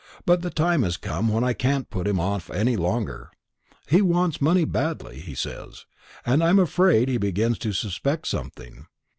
But the time has come when I can't put him off any longer. He wants money badly, he says; and I'm afraid he begins to suspect something.